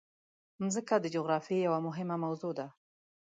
مځکه د جغرافیې یوه مهمه موضوع ده.